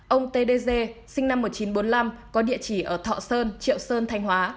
ông t d g sinh năm một nghìn chín trăm bốn mươi năm có địa chỉ ở thọ sơn triệu sơn thanh hóa